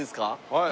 はい。